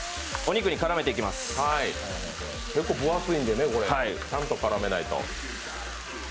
肉、分厚いんでねちゃんと絡めないと。